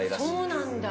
そうなんだ。